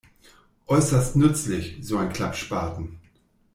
Äußerst nützlich, so ein Klappspaten!